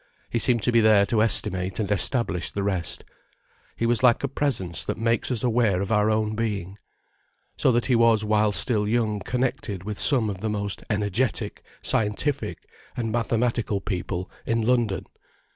He seemed to be there to estimate and establish the rest. He was like a presence that makes us aware of our own being. So that he was while still young connected with some of the most energetic scientific and mathematical people in London.